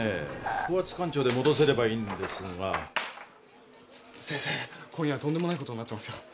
高圧かん腸で戻せればいいが先生今夜はとんでもないことになってますよ